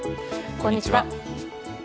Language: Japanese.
こんにちは。